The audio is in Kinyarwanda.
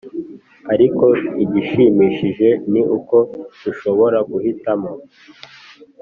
Ariko igishimishije ni uko dushobora guhitamo